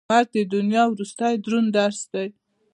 مرګ د دنیا وروستی دروند درس دی.